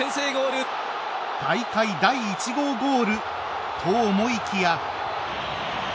大会第１号のゴールと思いきや。